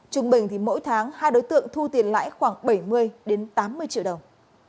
trung bình thì mỗi tháng hai đối tượng thu tiền lãi khoảng bảy mươi tám mươi triệu đồng